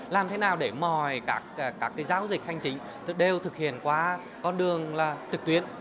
làm thế nào để mòi các cái giao dịch hành chính đều thực hiện qua con đường là trực tuyến